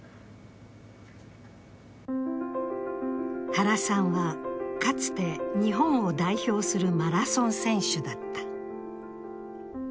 原さんは、かつて日本を代表するマラソン選手だった。